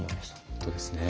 本当ですね。